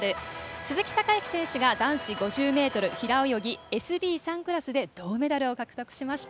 鈴木孝幸選手が男子５０ｍ平泳ぎ、ＳＢ３クラスで銅メダルを獲得しました。